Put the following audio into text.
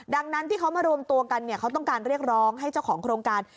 ดังนั้นที่เขามารวมตัวกันเนี่ยเขาต้องการเรียกร้องให้เจ้าของโครงการ